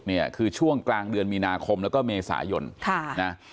เนี่ยคือช่วงกลางเดือนมีนาคมแล้วก็เมษายนค่ะนะ